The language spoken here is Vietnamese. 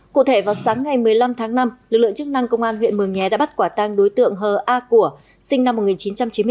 cụ thể vào sáng ngày một mươi năm tháng năm lực lượng chức năng công an huyện mường nhé đã bắt quả tang đối tượng h a của sinh năm một nghìn chín trăm chín mươi bốn